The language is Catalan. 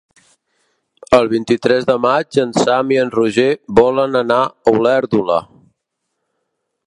El vint-i-tres de maig en Sam i en Roger volen anar a Olèrdola.